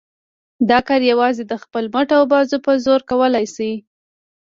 دا کار یوازې د خپل مټ او بازو په زور کولای شي.